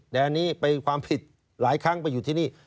แต่อันนี้ไปความผิดหลายครั้งไปอยู่ที่นี่